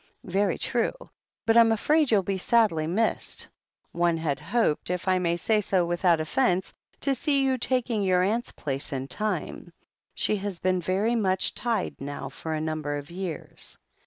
"Very true. But I'm afraid you'll be sadly missed. One had hoped, if I may say so without offence, to see you taking your aimt's place in time. She has been very much tied now for a nimiber of years."